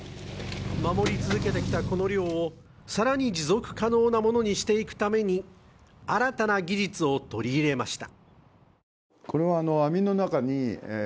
守り続けてきたこの漁をさらに持続可能なものにしていくために、新たな技術を取り入れました。